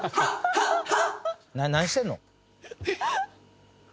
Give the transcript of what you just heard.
何してんの？